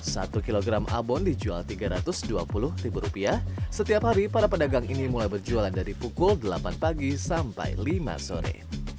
satu kilogram abon dijual rp tiga ratus dua puluh setiap hari para pedagang ini mulai berjualan dari pukul delapan pagi sampai lima sore